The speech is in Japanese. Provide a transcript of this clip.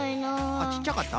あっちっちゃかった？